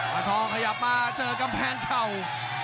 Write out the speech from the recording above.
มาทองขยับมาเจอกำแพงเข่า